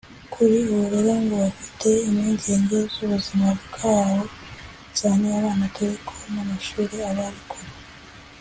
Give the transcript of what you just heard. Kuri ubu rero ngo bafite impungenge z’ubuzima bwabo cyane abana dore ko n’amashuli abari kure